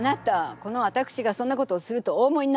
このわたくしがそんなことをするとお思いになって？